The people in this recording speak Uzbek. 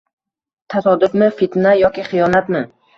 tasodifmi, fitna yoki xiyonatmi?